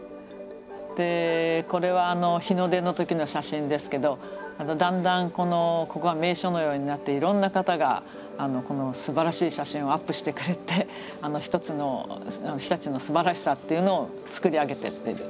でこれは日の出の時の写真ですけどだんだんここが名所のようになっていろんな方がこのすばらしい写真をアップしてくれて一つの日立のすばらしさっていうのを作り上げていってる。